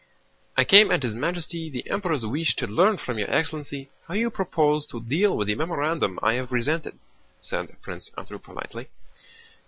"I came at His Majesty the Emperor's wish to learn from your excellency how you propose to deal with the memorandum I have presented," said Prince Andrew politely.